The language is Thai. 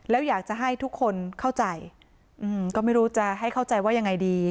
แล้วอยากจะให้ทุกคนเข้าใจก็ไม่รู้จะให้เข้าใจว่ายังไงดี